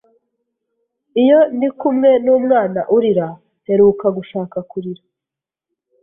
Iyo ndi kumwe numwana urira, mperuka gushaka kurira!